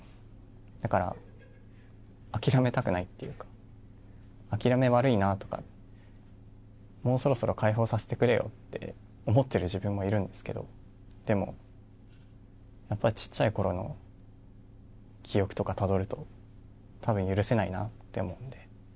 だから諦めたくないっていう諦め悪いなともうそろそろ解放させくれよって思っている自分がいるんですけどでもやっぱり、ちっちゃいころの記憶とかをたどるとたぶん許せないなと思って。